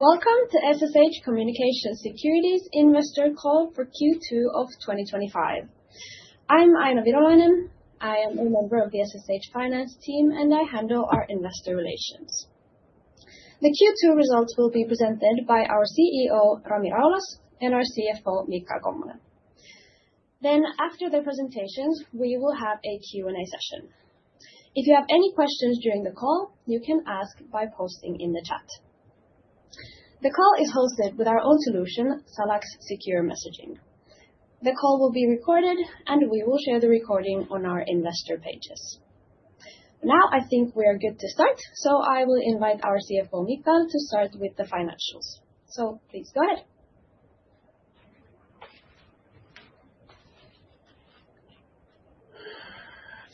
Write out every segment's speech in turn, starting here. Welcome to SSH Communications Security's investor call for Q2 of 2025. I'm Aino Virolainen. I am a member of the SSH Finance team, and I handle our investor relations. The Q2 results will be presented by our CEO, Rami Raulas, and our CFO, Michael Kommonen. After the presentations, we will have a Q&A session. If you have any questions during the call, you can ask by posting in the chat. The call is hosted with our own solution, SalaX Secure Messaging. The call will be recorded, and we will share the recording on our investor pages. I think we are good to start, so I will invite our CFO, Michael, to start with the financials. Please go ahead.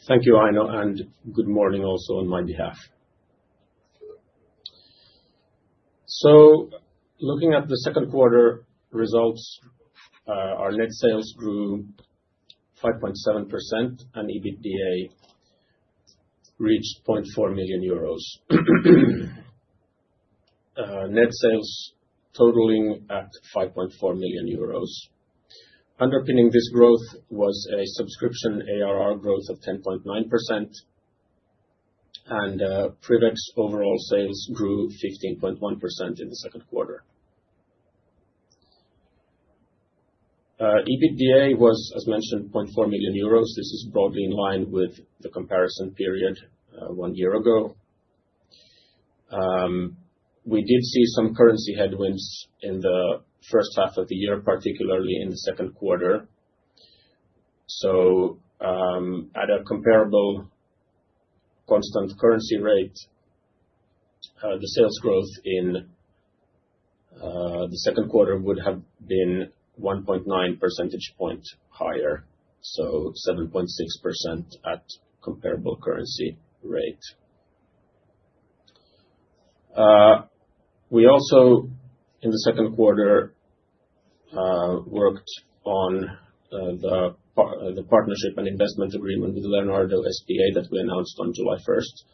Thank you, Aino, and good morning also on my behalf. Looking at the second quarter results, our net sales grew 5.7% and EBITDA reached 0.4 million euros. Net sales totaling at 5.4 million euros. Underpinning this growth was a subscription ARR growth of 10.9%, and PrivX overall sales grew 15.1% in the second quarter. EBITDA was, as mentioned, 0.4 million euros. This is broadly in line with the comparison period one year ago. We did see some currency headwinds in the first half of the year, particularly in the second quarter. At a comparable constant currency rate, the sales growth in the second quarter would have been 1.9 percentage points higher, so 7.6% at a comparable currency rate. We also, in the second quarter, worked on the partnership and investment agreement with Leonardo that we announced on July 1st.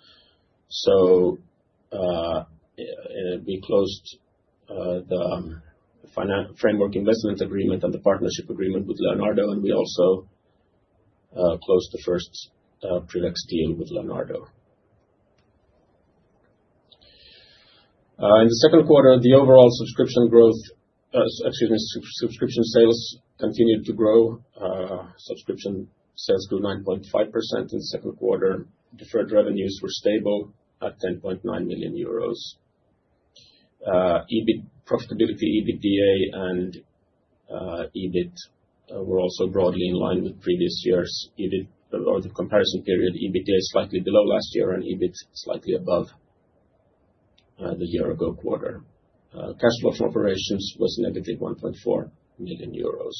We closed the framework investment agreement and the partnership agreement with Leonardo, and we also closed the first PrivX deal with Leonardo. In the second quarter, the overall subscription growth, excuse me, subscription sales continued to grow. Subscription sales grew 9.5% in the second quarter. Deferred revenues were stable at EUR 10.9 million. Profitability EBITDA and EBIT were also broadly in line with previous years. For the comparison period, EBITDA is slightly below last year and EBIT slightly above the year-ago quarter. Cash flow from operations was negative 1.4 million euros.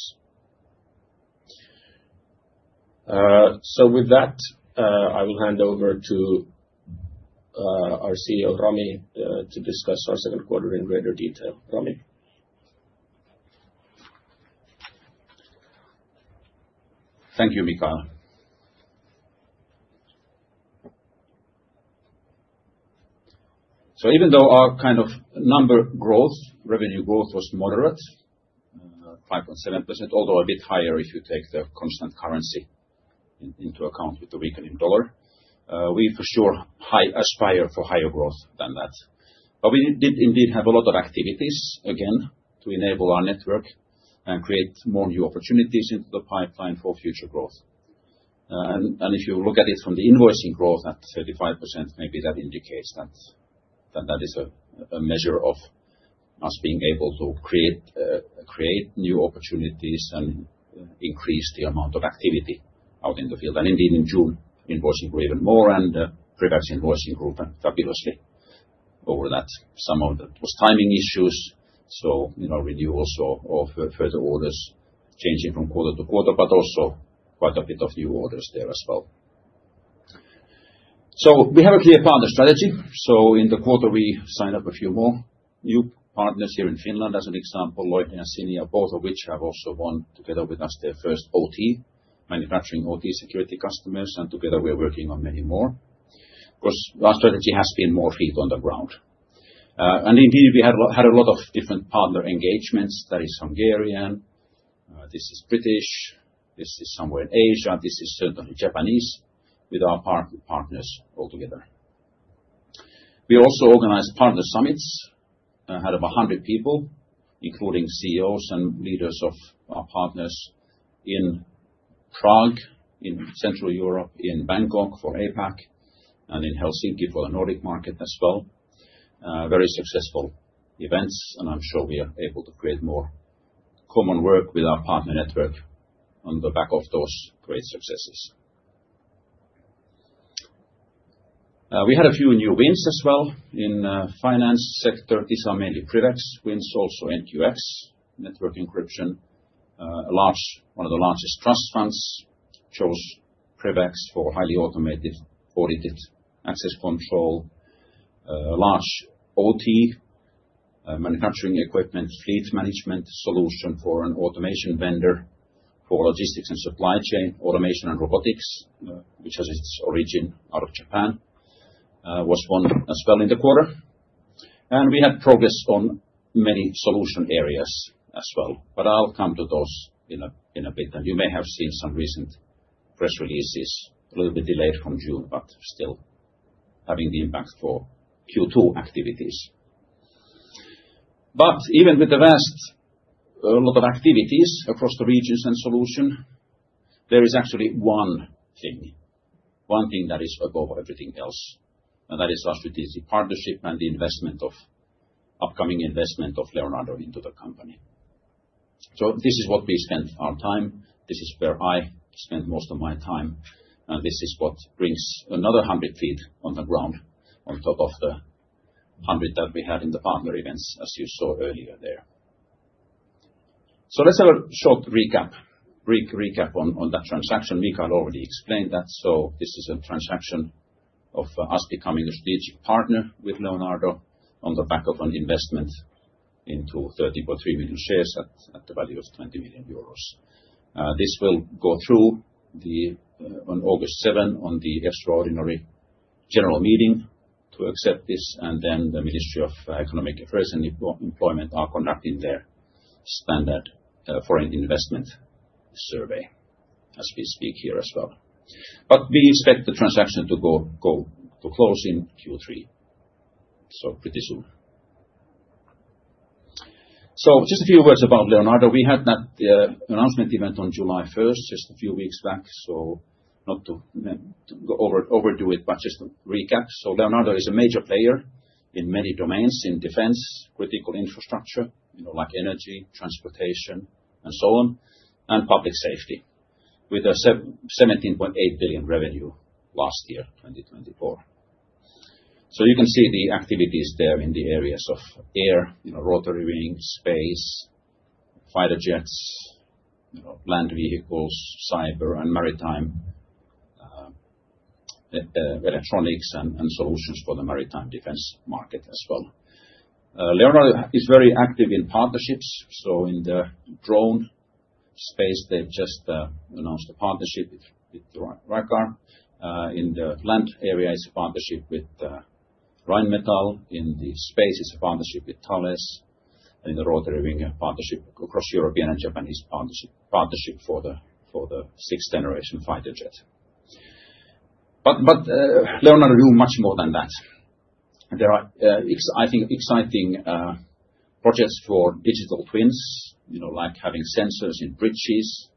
With that, I will hand over to our CEO, Rami, to discuss our second quarter in greater detail. Rami. Thank you, Michael. Even though our kind of number growth, revenue growth was moderate, 5.7%, although a bit higher if you take the constant currency into account with the weakening dollar, we for sure aspire for higher growth than that. We did indeed have a lot of activities, again, to enable our network and create more new opportunities into the pipeline for future growth. If you look at it from the invoicing growth at 35%, maybe that indicates that that is a measure of us being able to create new opportunities and increase the amount of activity out in the field. Indeed, in June, invoicing grew even more, and the PrivX invoicing grew fabulously over that summer. There were timing issues, so you know renewals or further orders changing from quarter to quarter, but also quite a bit of new orders there as well. We have a clear partner strategy. In the quarter, we signed up a few more new partners here in Finland, as an example, Loihde and Cinia, both of which have also won together with us their first OT, manufacturing OT security customers, and together we're working on many more. Of course, our strategy has been more feet on the ground. Indeed, we had a lot of different partner engagements. That is Hungarian. This is British. This is somewhere in Asia. This is certainly Japanese, with our partners altogether. We also organized partner summits, had about 100 people, including CEOs and leaders of our partners in Prague, in Central Europe, in Bangkok for APAC, and in Helsinki for the Nordic market as well. Very successful events, and I'm sure we are able to create more common work with our partner network on the back of those great successes. We had a few new wins as well in the finance sector. These are mainly PrivX wins, also NQX, network encryption. A large, one of the largest trust funds chose PrivX for highly automated audited access control. A large OT, manufacturing equipment fleet management solution for an automation vendor for logistics and supply chain, automation and robotics, which has its origin out of Japan, was won as well in the quarter. We had progress on many solution areas as well. I'll come to those in a bit. You may have seen some recent press releases, a little bit delayed from June, but still having the impact for Q2 activities. Even with the vast, a lot of activities across the regions and solutions, there is actually one thing, one thing that is above everything else, and that is our strategic partnership and the investment of upcoming investment of Leonardo into the company. This is what we spent our time. This is where I spent most of my time. This is what brings another 100 ft on the ground on top of the 100 ft that we had in the partner events, as you saw earlier there. Let's have a short recap on that transaction. Michael, I've already explained that. This is a transaction of us becoming a strategic partner with Leonardo on the back of an investment into 30.3 million shares at the value of 20 million euros. This will go through on August 7 at the extraordinary general meeting to accept this, and then the Ministry of Economic Affairs and Employment are conducting their standard foreign investment survey as we speak here as well. We expect the transaction to go to close in Q3, so pretty soon. Just a few words about Leonardo. We had that announcement event on July 1st, just a few weeks back. Not to go overdo it, but just to recap. Leonardo is a major player in many domains in defense, critical infrastructure, you know, like energy, transportation, and so on, and public safety, with a 17.8 billion revenue last year, 2023. You can see the activities there in the areas of air, rotary wings, space, fighter jets, land vehicles, cyber, and maritime, electronics, and solutions for the maritime defense market as well. Leonardo is very active in partnerships. In the drone space, they've just announced a partnership with RIACE. In the land area, it's a partnership with Rheinmetall. In the space, it's a partnership with Thales. In the rotary wing, a partnership across European and Japanese partnership for the sixth-generation fighter jet. Leonardo grew much more than that. There are, I think, exciting projects for digital twins, like having sensors in bridges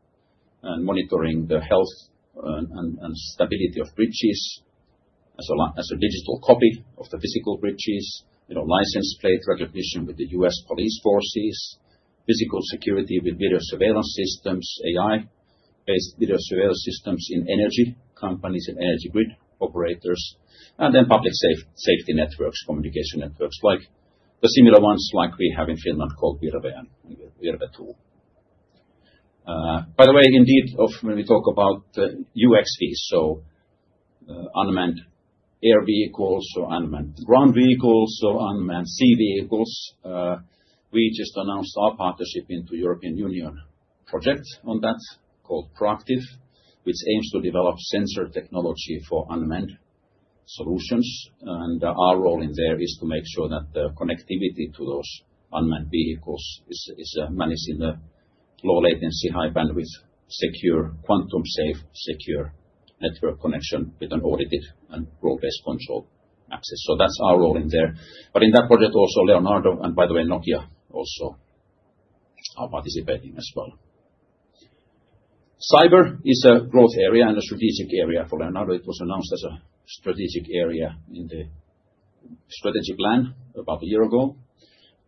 and monitoring the health and stability of bridges as a digital copy of the physical bridges, license plate recognition with the U.S. police forces, physical security with video surveillance systems, AI-based video surveillance systems in energy companies and energy grid operators, and then public safety networks, communication networks, like the similar ones like we have in Finland called Virve 2. By the way, indeed, often when we talk about the UFVs, so unmanned air vehicles or unmanned ground vehicles or unmanned sea vehicles, we just announced our partnership into the European Union project on that called PROACTIF, which aims to develop sensor technology for unmanned solutions. Our role in there is to make sure that the connectivity to those unmanned vehicles is managed in a low latency, high bandwidth, secure, quantum-safe, secure network connection with an audited and role-based control access. That's our role in there. In that project, also Leonardo and, by the way, Nokia also are participating as well. Cyber is a growth area and a strategic area for Leonardo It was announced as a strategic area in the strategic plan about a year ago.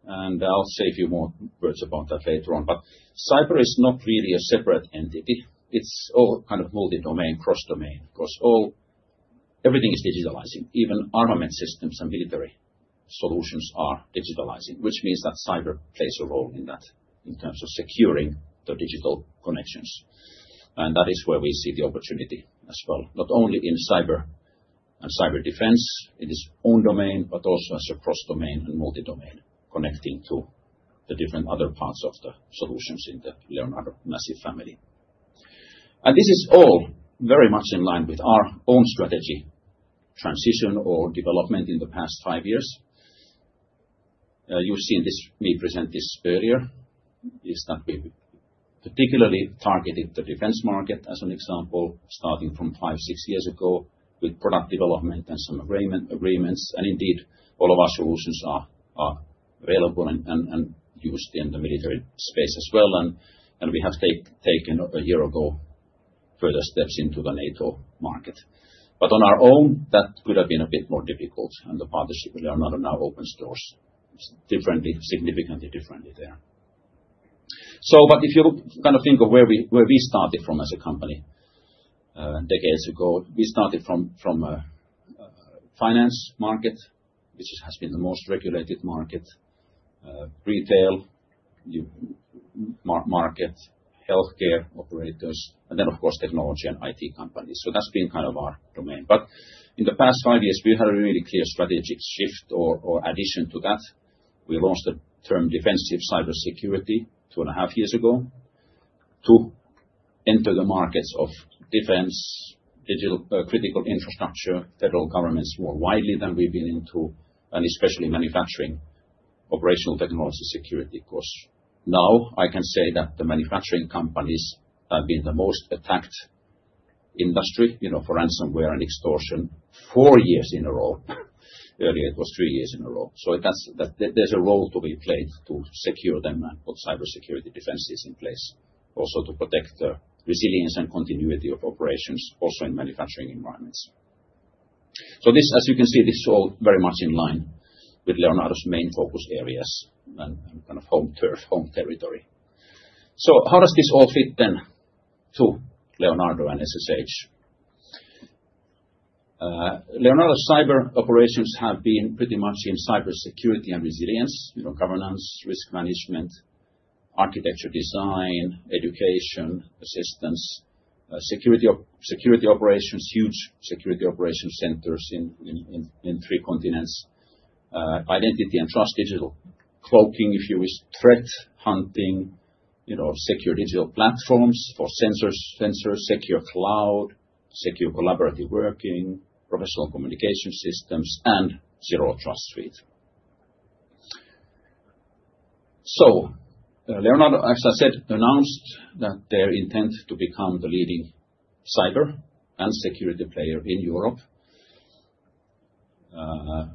I'll say a few more words about that later on. Cyber is not really a separate entity. It's all kind of multi-domain, cross-domain, because everything is digitalizing. Even armament systems and military solutions are digitalizing, which means that cyber plays a role in that in terms of securing the digital connections. That is where we see the opportunity as well, not only in cyber and cyber defense in its own domain, but also as a cross-domain and multi-domain connecting to the different other parts of the solutions in the Leonardo massive family. This is all very much in line with our own strategy transition or development in the past five years. You've seen me present this earlier, is that we particularly targeted the defense market as an example, starting from five, six years ago with product development and some agreements. Indeed, all of our solutions are available and used in the military space as well. We have taken a year ago further steps into the NATO market. On our own, that would have been a bit more difficult. The partnership with Leonardo now opens doors significantly differently there. If you kind of think of where we started from as a company decades ago, we started from a finance market, which has been the most regulated market, retail market, healthcare operators, and then, of course, technology and IT companies. That's been kind of our domain. In the past five years, we had a really clear strategic shift or addition to that. We launched the term defensive cybersecurity two and a half years ago to enter the markets of defense, critical infrastructure, federal governments more widely than we've been into, and especially manufacturing operational technology security. Of course, now I can say that the manufacturing companies have been the most attacked industry, you know, for ransomware and extortion four years in a row. Earlier, it was three years in a row. There's a role to be played to secure them and put cybersecurity defenses in place, also to protect the resilience and continuity of operations, also in manufacturing environments. As you can see, this is all very much in line with Leonardo's main focus areas and kind of home territory. How does this all fit then to Leonardo and SSH? Leonardo's cyber operations have been pretty much in cybersecurity and resilience, you know, governance, risk management, architecture design, education, assistance, security operations, huge security operation centers in three continents, identity and trust, digital cloaking, if you wish, threat hunting, secure digital platforms for sensors, secure cloud, secure collaborative working, professional communication systems, and zero trust suite. Leonardo, as I said, announced their intent to become the leading cyber and security player in Europe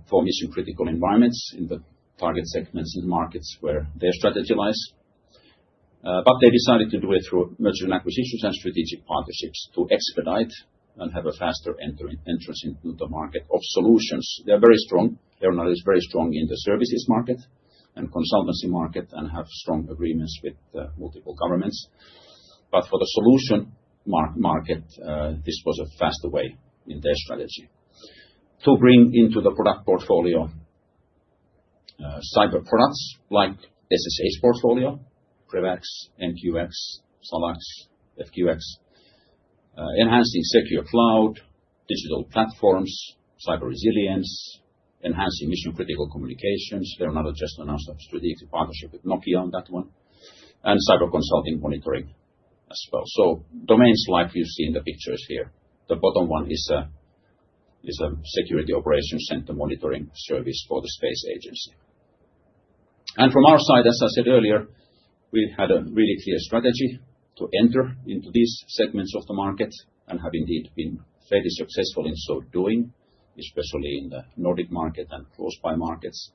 for mission-critical environments in the target segments and markets where their strategy lies. They decided to do it through mergers and acquisitions and strategic partnerships to expedite and have a faster entrance into the market of solutions. They're very strong. Leonardo is very strong in the services market and consultancy market and have strong agreements with multiple governments. For the solution market, this was a faster way in their strategy to bring into the product portfolio cyber products like SSH portfolio, PrivX, NQX, SalaX, FQX, enhancing secure cloud, digital platforms, cyber resilience, enhancing mission-critical communications. Leonardo just announced a strategic partnership with Nokia on that one and cyber consulting monitoring as well. Domains like you see in the pictures here, the bottom one is a security operations center monitoring service for the space agency. From our side, as I said earlier, we had a really clear strategy to enter into these segments of the market and have indeed been fairly successful in so doing, especially in the Nordic market and close-by markets.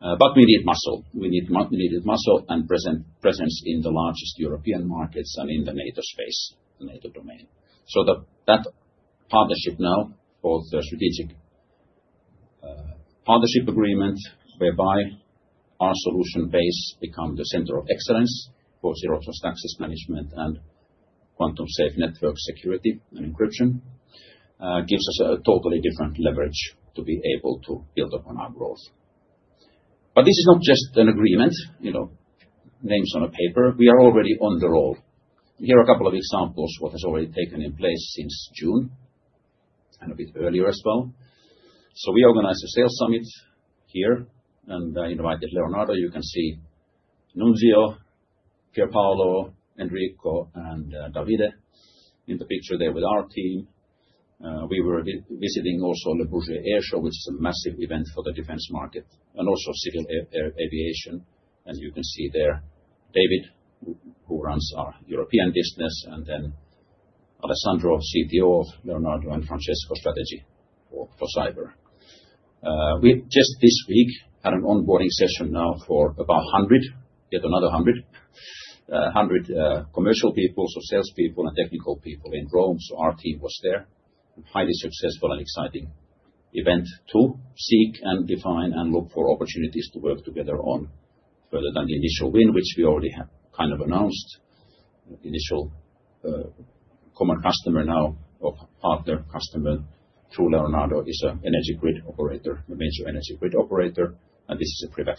We need muscle. We needed muscle and presence in the largest European markets and in the NATO space, NATO domain. That partnership now, both the strategic partnership agreement whereby our solution base becomes the center of excellence for zero trust access management and quantum-safe network security and encryption, gives us a totally different leverage to be able to build upon our growth. This is not just an agreement, you know, names on a paper. We are already on the roll. Here are a couple of examples of what has already taken place since June and a bit earlier as well. We organized a sales summit here and I invited Leonardo. You can see Nunzio, Pierpaolo, Enrico, and Davide in the picture there with our team. We were visiting also Le Bourget Air Show, which is a massive event for the defense market and also civil air aviation. You can see there David, who runs our European business, and then Alessandro, CTO of Leonardo, and Francesco, Strategy for cyber. We just this week had an onboarding session now for about 100, yet another 100, 100 commercial people, so salespeople and technical people in Rome. Our team was there. Highly successful and exciting event to seek and define and look for opportunities to work together further than the initial win, which we already kind of announced. The initial common customer now or partner customer through Leonardo is an energy grid operator, the major energy grid operator, and this is a PrivX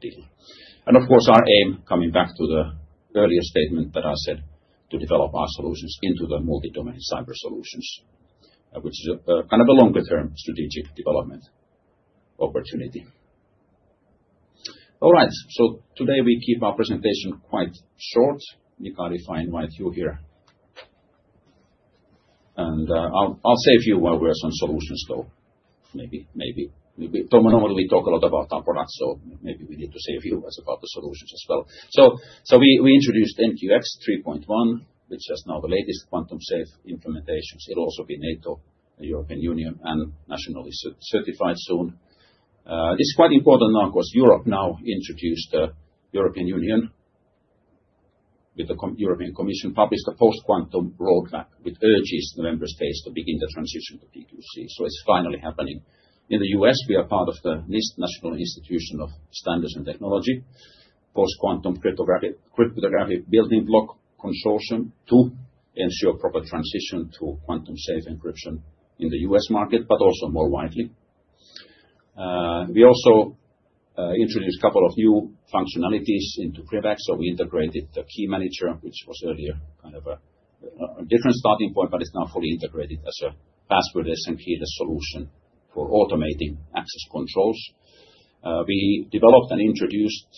deal. Of course, our aim, coming back to the earlier statement that I said, is to develop our solutions into the multi-domain cyber solutions, which is a kind of a longer-term strategic development opportunity. All right. Today we keep our presentation quite short. Mikko, if I invite you here, and I'll save you while we're on solutions though. Maybe Tom and Omar, we talk a lot about our products, so maybe we need to save you as about the solutions as well. We introduced NQX 3.1, which is now the latest quantum-safe implementations. It'll also be NATO, the European Union, and nationally certified soon. It's quite important now because Europe now introduced the European Union with the European Commission published a post-quantum roadmap which urges the member states to begin the transition to PQC. It's finally happening. In the U.S., we are part of the National Institute of Standards and Technology post-quantum cryptographic building block consortium to ensure proper transition to quantum-safe encryption in the U.S. market, but also more widely. We also introduced a couple of new functionalities into PrivX. We integrated the key manager, which was earlier kind of a different starting point, but it's now fully integrated as a password SMK, the solution for automating access controls. We developed and introduced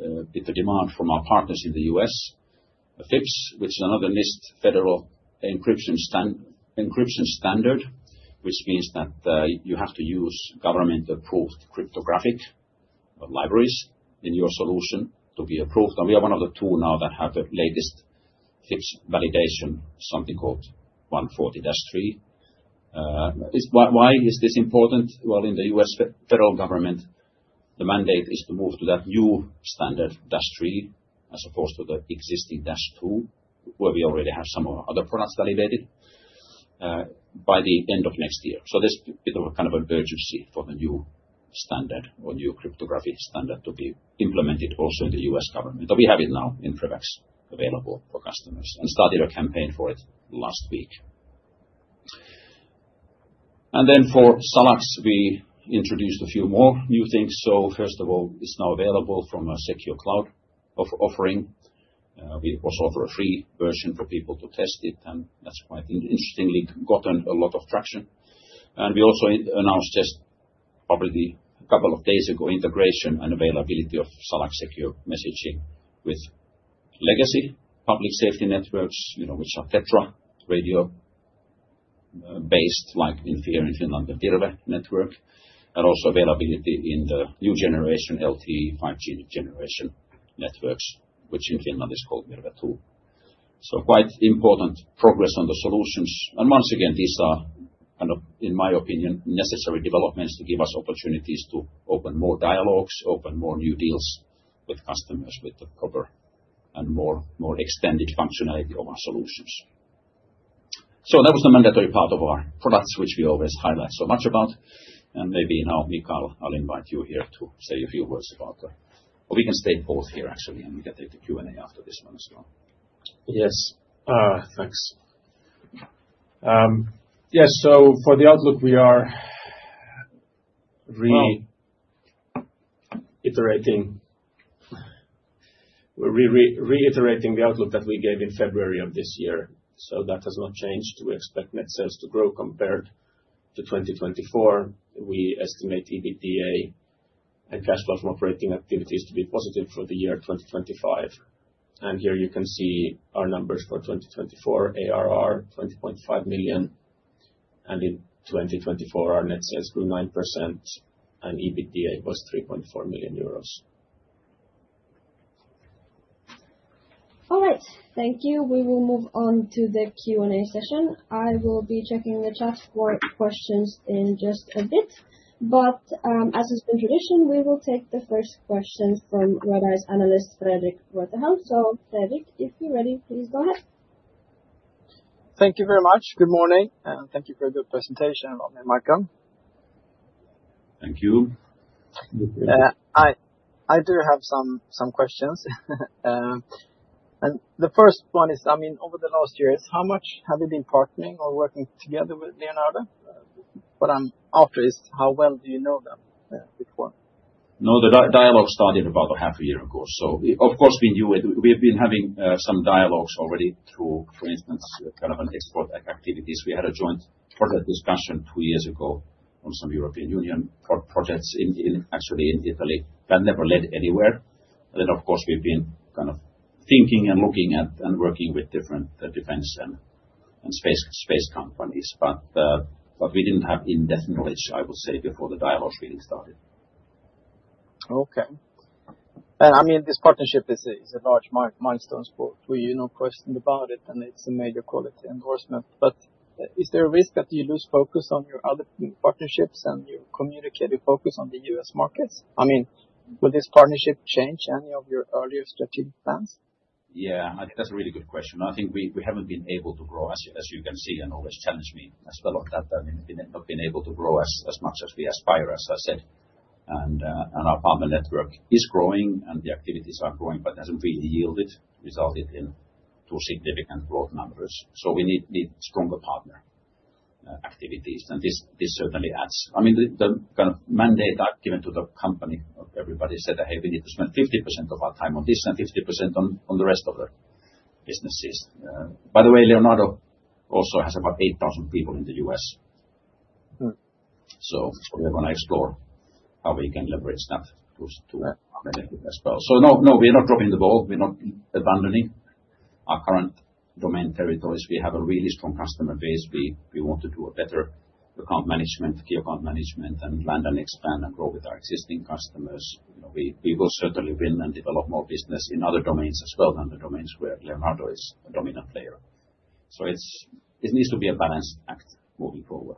a bit of demand from our partners in the U.S., FIPS, which is another NIST federal encryption standard, which means that you have to use government-approved cryptographic libraries in your solution to be approved. We are one of the two now that have the latest FIPS validation, something called 140-3. This is important because in the U.S. federal government, the mandate is to move to that new standard -3, as opposed to the existing -2, where we already have some other products validated by the end of next year. There is a bit of an urgency for the new standard or new cryptography standard to be implemented also in the U.S. government. We have it now in PrivX available for customers and started a campaign for it last week. For SalaX, we introduced a few more new things. First of all, it's now available from a secure cloud offering. We also offer a free version for people to test it, and that's why I think interestingly gotten a lot of traction. We also announced just probably a couple of days ago integration and availability of SalaX Secure Messaging with legacy public safety networks, which are Tetra radio-based, like in Finland and Virve network, and also availability in the new generation LTE 5G generation networks, which in Finland is called Virve 2. Quite important progress on the solutions. These are, in my opinion, necessary developments to give us opportunities to open more dialogues, open more new deals with customers with the cover and more extended functionality of our solutions. That was the mandatory part of our products, which we always highlight so much about. Maybe now, Mikko, I'll invite you here to say a few words about the... We can stay both here, actually, and we can take the Q&A after this one as well. Yes, thanks. Yes, for the outlook, we are reiterating the outlook that we gave in February of this year. That has not changed. We expect net sales to grow compared to 2024. We estimate EBITDA and cash flow from operating activities to be positive for the year 2025. Here you can see our numbers for 2024, ARR 20.5 million. In 2024, our net sales grew 9% and EBITDA was 3.4 million euros. All right, thank you. We will move on to the Q&A session. I will be checking the chats for questions in just a bit. As it's been tradition, we will take the first questions from Redeye's analyst, Fredrik Reuterhäll. Frederic, if you're ready, please go ahead. Thank you very much. Good morning, and thank you for a good presentation, Rami and Michael. Thank you. I do have some questions. The first one is, over the last years, how much have you been partnering or working together with Leonardo? I'm curious, how well do you know that before? No, the dialogue started about half a year ago. Of course, we knew it. We've been having some dialogues already through, for instance, kind of export activities. We had a joint project discussion two years ago on some European Union projects in Italy that never led anywhere. Of course, we've been kind of thinking and looking at and working with different defense and space companies. We didn't have indefinitely, I would say, before the dialogue really started. Okay. This partnership is a large milestone for you, no question about it. It's a major quality endorsement. Is there a risk that you lose focus on your other partnerships and your communicated focus on the U.S. markets? Will this partnership change any of your earlier strategic plans? Yeah, that's a really good question. I think we haven't been able to grow, as you can see, and always challenge me. I spent a lot of time not being able to grow as much as we aspire, as I said. Our partner network is growing and the activities are growing, but it hasn't really yielded, resulted in too significant growth numbers. We need stronger partner activities. This certainly adds, I mean, the kind of mandate given to the company. Everybody said, hey, we need to spend 50% of our time on this and 50% on the rest of the businesses. By the way, Leonardo also has about 8,000 people in the U.S. We want to explore how we can leverage that to benefit as well. No, we're not dropping the ball. We're not abandoning our current domain territories. We have a really strong customer base. We want to do better account management, key account management, and land and expand and grow with our existing customers. We will certainly win and develop more business in other domains as well than the domains where Leonardo is a dominant player. It needs to be a balanced act moving forward.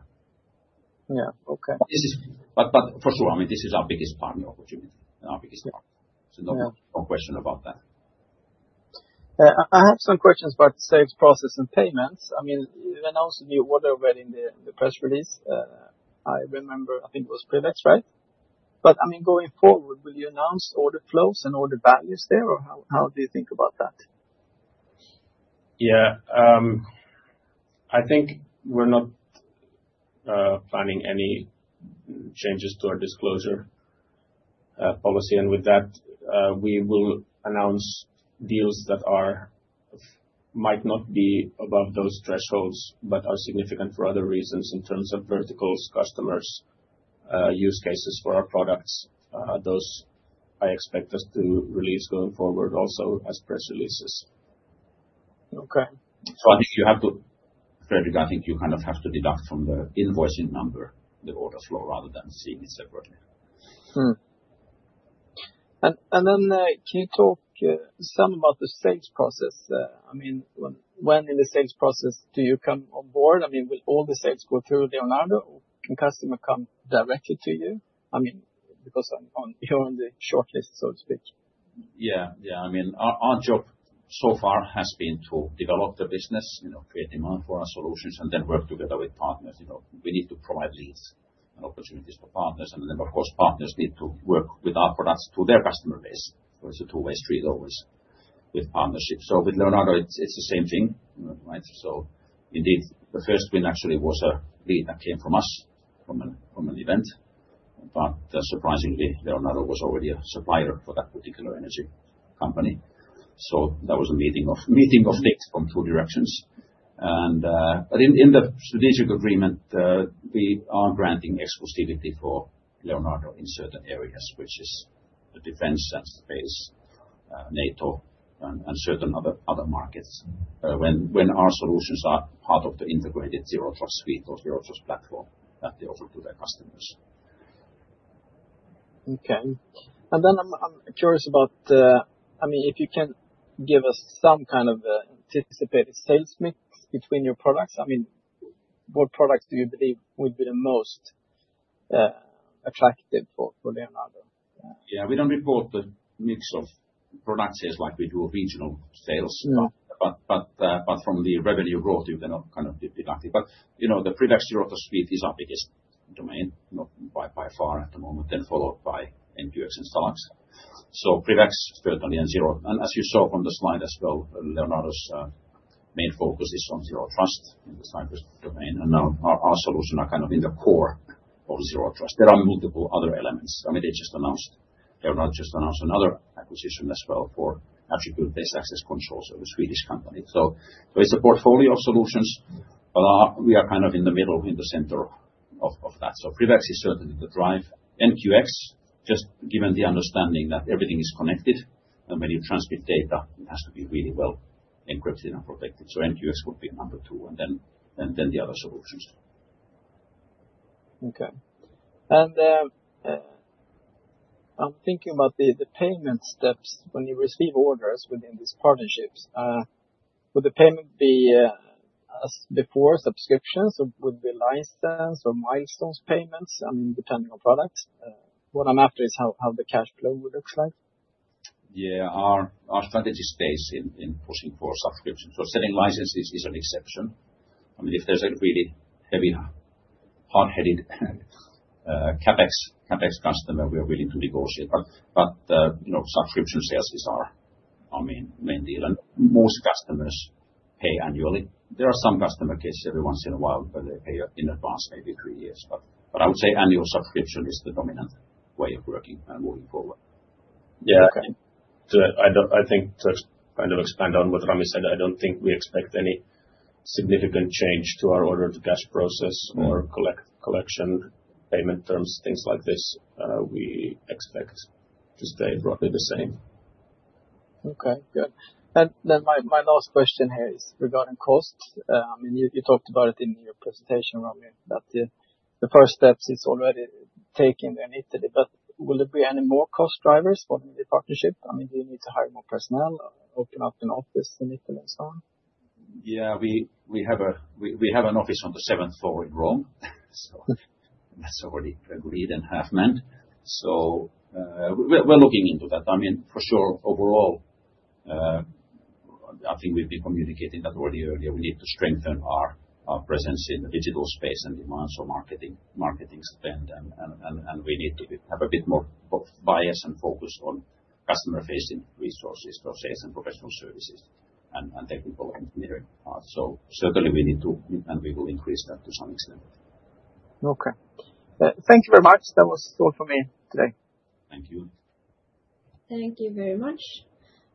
Yeah, okay. This is our biggest partner opportunity and our biggest market. No question about that. I have some questions about the sales process and payments. I mean, you announced you were already in the press release. I remember, I think it was PrivX, right? I mean, going forward, will you announce all the flows and all the values there? How do you think about that? I think we're not planning any changes to our disclosure policy. With that, we will announce deals that might not be above those thresholds but are significant for other reasons in terms of verticals, customers, or use cases for our products. Those, I expect us to release going forward also as press releases. Okay. I think you have to, Fredrik, you kind of have to deduct from the invoicing number the orders flow rather than seeing it separately. Can you talk some about the sales process? When in the sales process do you come on board? Will all the sales go through Leonardo? Can customers come directly to you? You're on the shortlist, so to speak. Yeah, yeah. I mean, our job so far has been to develop the business, you know, create demand for our solutions, and then work together with partners. We need to provide leads and opportunities to partners, and of course, partners need to work with our products to their customer base. It's a two-way street always with partnerships. With Leonardo, it's the same thing, right? Indeed, the first win actually was a lead that came from us from an event. Surprisingly, Leonardo was already a supplier for that particular energy company. That was a meeting of things from two directions. In the strategic agreement, we are granting exclusivity for Leonardo in certain areas, which is the defense and space, NATO, and certain other markets, when our solutions are part of the integrated zero trust suite or zero trust platform that they offer to their customers. Okay. I'm curious about, if you can give us some kind of anticipated sales mix between your products. What products do you believe would be the most attractive for Leonardo? Yeah, we don't report the mix of product sales like we do regional sales. From the revenue growth, you can kind of deduct it. You know, the PrivX zero trust suite is our biggest domain, by far at the moment, followed by NQX and SalaX. PrivX is built on the N zero. As you saw on the slide as well, Leonardo's main focus is on zero trust in the cyber domain. Our solutions are kind of in the core of zero trust. There are multiple other elements. I mean, they just announced another acquisition as well for attribute-based access controls of a Swedish company. It's a portfolio of solutions, but we are kind of in the middle, in the center of that. PrivX is certainly the drive. NQX, just given the understanding that everything is connected, and when you transcript data, it has to be really well encrypted and protected. NQX would be a number two, and then the other solutions. I'm thinking about the payment steps when you receive orders within these partnerships. Would the payment be as before subscriptions, or would it be license or milestones payments? I mean, depending on products. What I'm after is how the cash flow looks like. Yeah, our strategy is based in pushing for subscriptions. Selling licenses is an exception. I mean, if there's a really heavy hard-headed CapEx customer, we are willing to negotiate. Subscription sales is our main deal. Most customers pay annually. There are some customer cases every once in a while, they pay in advance maybe three years. I would say annual subscription is the dominant way of working and moving forward. Okay. I think to kind of expand on what Rami said, I don't think we expect any significant change to our order-to-cash process or collection payment terms, things like this. We expect to stay broadly the same. Okay, good. My last question here is regarding cost. I mean, you talked about it in your presentation, Rami, that the first steps are already taken in Italy. Will there be any more cost drivers for the partnership? I mean, do you need to hire more personnel, open up an office in Italy and so on? Yeah, we have an office on the seventh floor in Rome. That's already agreed and half meant. We're looking into that. For sure, overall, I think we've been communicating that already earlier. We need to strengthen our presence in the digital space and demand some marketing spend. We need to have a bit more bias and focus on customer-facing resources for sales and professional services and technical engineering parts. Certainly, we need to, and we will increase that to some extent. Okay, thank you very much. That was all for me today. Thank you. Thank you very much.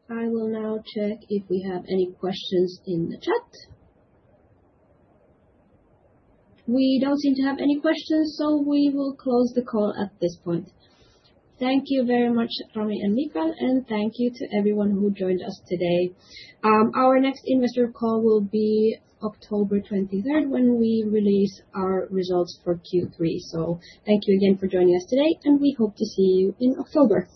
I will now check if we have any questions in the chat. We don't seem to have any questions, so we will close the call at this point. Thank you very much, Rami and Mikko, and thank you to everyone who joined us today. Our next investor call will be October 23 when we release our results for Q3. Thank you again for joining us today, and we hope to see you in October.